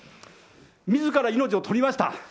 みずから命を取りました。